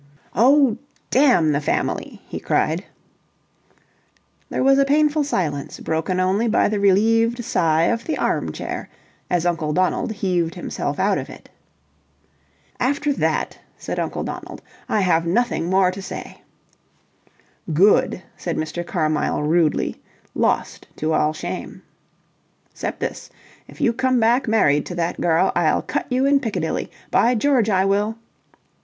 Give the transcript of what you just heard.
"Oh, damn the Family!" he cried. There was a painful silence, broken only by the relieved sigh of the armchair as Uncle Donald heaved himself out of it. "After that," said Uncle Donald, "I have nothing more to say." "Good!" said Mr. Carmyle rudely, lost to all shame. "'Cept this. If you come back married to that girl, I'll cut you in Piccadilly. By George, I will!"